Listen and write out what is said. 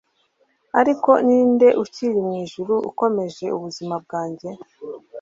ariko ninde ukiri mwijuru ukomeje ubuzima bwanjye